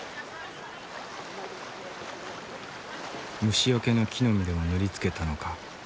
虫よけの木の実でも塗りつけたのか。